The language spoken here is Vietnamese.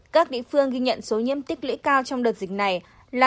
các địa phương ghi nhận số nhiễm tích lũy cao trong đợt dịch này là